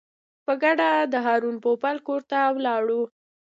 په ګډه د هارون پوپل کور ته ولاړو.